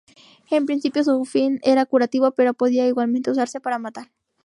En principio su fin era curativo, pero podía igualmente usarse para matar.